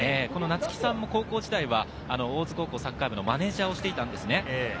なつきさんも高校時代は大津高校サッカー部のマネージャーをしていたんですね。